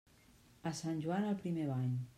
A Sant Joan, el primer bany.